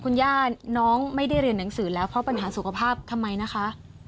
คุณย่าน้องไม่ได้เรียนหนังสือแล้วเพราะปัญหาสุขภาพทำไมนะคะ